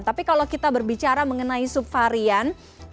tapi kalau kita berbicara mengenai subvarian